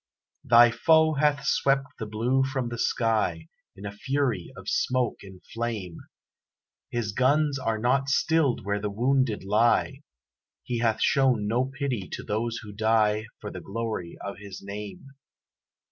Thy foe hath swept the blue from the sky In a fury of smoke and flame; His guns are not stilled where the wounded lie, He hath shown no pity to those who die For the glory of his name.